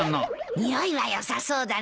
匂いはよさそうだね。